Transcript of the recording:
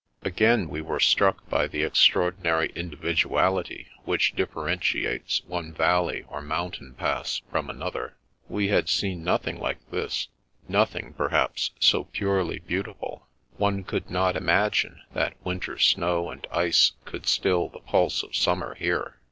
Again we were struck by the extraordinary indi viduality which differentiates one valley or moun tain pass from another. We had seen nothing like this; nothing, perhaps, so purely beautiful. One could not imagine that winter snow and ice could still the pulse of summer here.